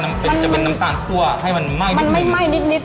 มันเหนียวแต่มันมันไม่หนึบ